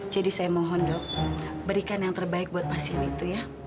jadi saya mohon dok berikan yang terbaik buat pasien itu ya